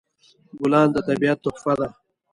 ګلان د طبیعت تحفه ده.